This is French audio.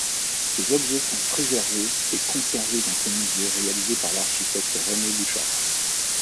Ces objets sont préservés et conservés dans ce musée réalisé par l'architecte Réné Bouchara.